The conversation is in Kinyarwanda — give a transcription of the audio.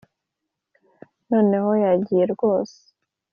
noneho yagiye rwose